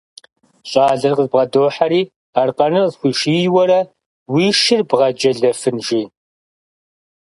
Щӏалэр къызбгъэдохьэри, аркъэныр къысхуишийуэрэ, уи шыр бгъэджэлэфын, жи.